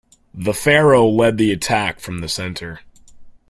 The Pharaoh led the attack from the center.